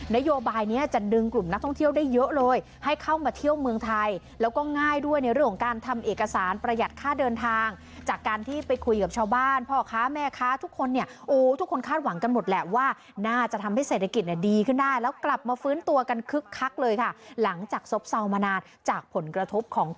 นโยบายนี้จะดึงกลุ่มนักท่องเที่ยวได้เยอะเลยให้เข้ามาเที่ยวเมืองไทยแล้วก็ง่ายด้วยในเรื่องของการทำเอกสารประหยัดค่าเดินทางจากการที่ไปคุยกับชาวบ้านพ่อค้าแม่ค้าทุกคนเนี่ยโอ้ทุกคนคาดหวังกันหมดแหละว่าน่าจะทำให้เศรษฐกิจเนี่ยดีขึ้นได้แล้วกลับมาฟื้นตัวกันคึกคักเลยค่ะหลังจากซบเซามานานจากผลกระทบของก